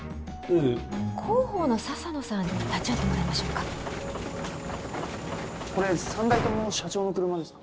ええ広報の笹野さんに立ち会ってもらいましょうかこれ３台とも社長の車ですか？